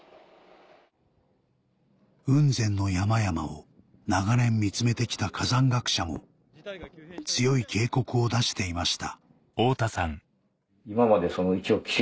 雲仙の山々を長年見つめて来た火山学者も強い警告を出していました